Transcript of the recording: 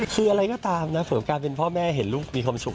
คืออะไรก็ตามนะเสริมการเป็นพ่อแม่เห็นลูกมีความสุข